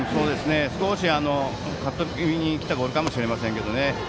少し、カット気味にきたボールかもしれませんけどね。